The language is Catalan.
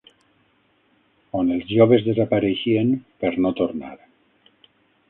On els joves desapareixien per no tornar